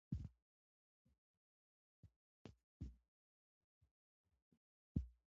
ستوني غرونه د افغانستان په هره برخه کې موندل کېږي.